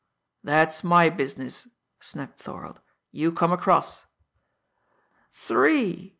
"That's my business!" snapped Thorold. "You come across!" "Three!"